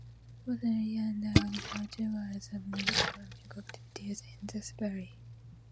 Forestry and agriculture are the main economic activities in this valley.